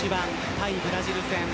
対ブラジル戦。